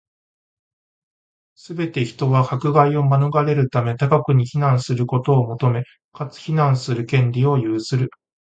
すべて人は、迫害を免れるため、他国に避難することを求め、かつ、避難する権利を有する。